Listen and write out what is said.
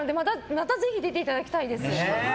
またぜひ出ていただきたいです。